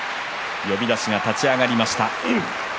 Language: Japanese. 呼出しが立ち上がりました。